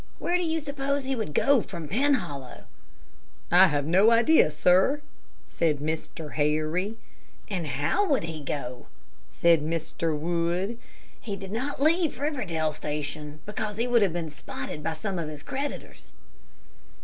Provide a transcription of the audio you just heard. Where do you suppose he would go from Penhollow?" "I have no idea, sir," said Mr. Harry. "And how would he go?" said Mr. Wood. "He did not leave Riverdale Station, because he would have been spotted by some of his creditors."